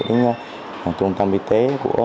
với trung tâm y tế